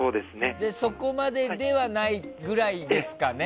そこまでくらいではないくらいですかね。